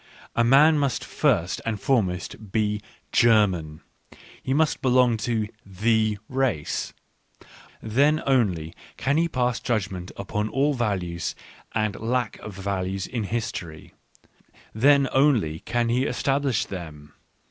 A man must first and foremost be " Ger man," he must belong to " the race "; then only can he pass judgment upon all values and lack of values in history — then only can he establish them.